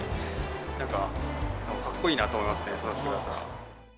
なんか、かっこいいなと思いますね、その姿。